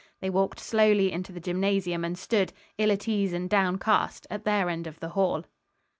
They walked slowly into the gymnasium and stood, ill at ease and downcast, at their end of the hall.